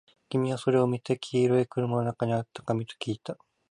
君はそれを見て、黄色い車の中にあった紙？ときいた